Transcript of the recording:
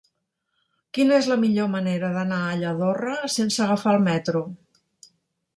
Quina és la millor manera d'anar a Lladorre sense agafar el metro?